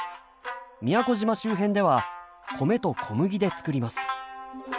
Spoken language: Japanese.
宮古島周辺では米と小麦で作ります。